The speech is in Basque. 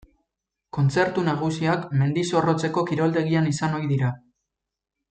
Kontzertu nagusiak Mendizorrotzeko kiroldegian izan ohi dira.